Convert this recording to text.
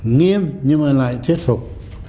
nghiêm nhưng mà lại thuyết phục